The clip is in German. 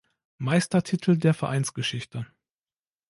Meistertitel der Vereinsgeschichte.